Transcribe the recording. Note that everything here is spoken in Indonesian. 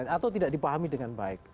atau tidak dipahami dengan baik